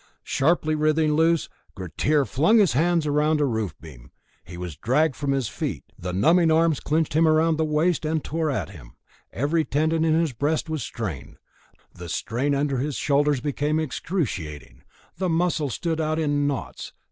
Sharply writhing loose, Grettir flung his hands round a roof beam. He was dragged from his feet; the numbing arms clenched him round the waist, and tore at him; every tendon in his breast was strained; the strain under his shoulders became excruciating, the muscles stood out in knots.